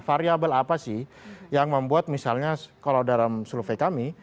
variable apa sih yang membuat misalnya kalau dalam survei kami